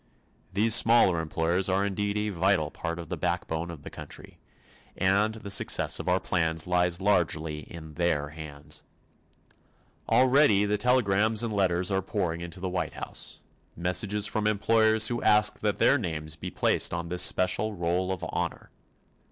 These smaller employers are indeed a vital part of the backbone of the country, and the success of our plans lies largely in their hands. Already the telegrams and letters are pouring into the White House messages from employers who ask that their names be placed on this special Roll of Honor.